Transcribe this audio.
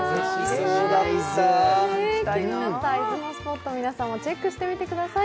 気になった伊豆のスポット、皆さんもチェックしてみてください。